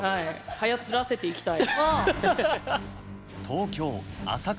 はやらせていきたい。